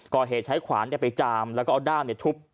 ก่อเหตุใช้ขวานไปจามแล้วก็เอาด้ามทุบ